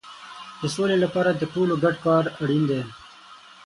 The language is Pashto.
د سولې لپاره د ټولو ګډ کار اړین دی.